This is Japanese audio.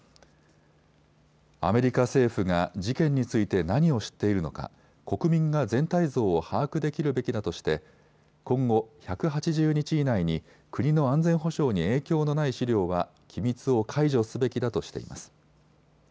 アメリカ政府が事件について何を知っているのか国民が全体像を把握できるべきだとして今後、１８０日以内に国の安全保障に影響のない資料は機密を解除すべきだとしています。